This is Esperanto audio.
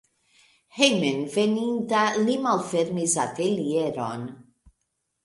Hejmenveninta li malfermis atelieron.